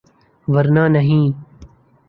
‘ ورنہ نہیں۔